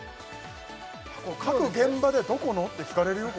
各現場で「どこの？」って聞かれるよ